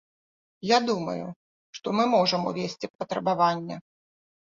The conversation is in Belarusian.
Я думаю, што мы можам увесці патрабаванне.